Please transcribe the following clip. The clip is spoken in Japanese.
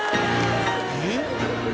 えっ？